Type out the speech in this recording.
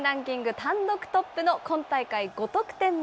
単独トップの今大会５得点目。